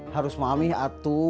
harus mami atuh